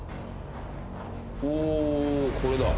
おー、これだ。